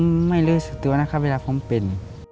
ผมไม่เลือกสักตัวน่ะค่ะเวลาผมเป็น